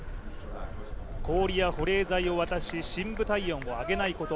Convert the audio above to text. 氷や保冷剤を渡し、深部体温を上げないこと。